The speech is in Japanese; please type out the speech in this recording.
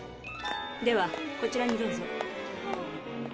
ではこちらにどうぞ。はあ。